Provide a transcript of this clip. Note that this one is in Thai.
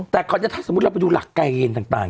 แต่ค่อนข้างถ้าเราไปดูหลักกายเกณฑ์ต่าง